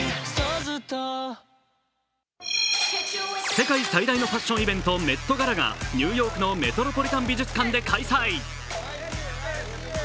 世界最大のファッションイベント、メットガラがニューヨークのメトロポリタン美術館で開催。